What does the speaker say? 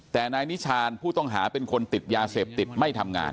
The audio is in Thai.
แต่นายนิชานผู้ต้องหาเป็นคนติดยาเสพติดไม่ทำงาน